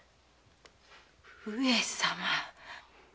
上様。